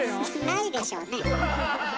ないでしょうね。